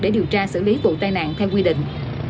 để điều tra xử lý vụ tai nạn theo quy định